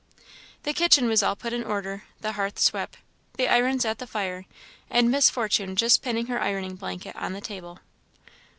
The kitchen was all put in order, the hearth swept, the irons at the fire, and Miss Fortune just pinning her ironing blanket on the table.